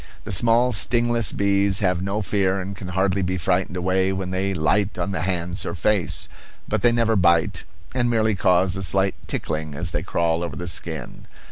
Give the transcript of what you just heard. The small stingless bees have no fear and can hardly be frightened away when they light on the hands or face; but they never bite, and merely cause a slight tickling as they crawl over the skin.